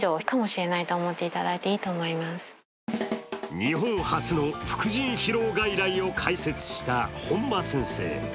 日本初の副腎疲労外来を開設した本間先生。